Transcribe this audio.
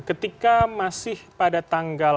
ketika masih pada tanggal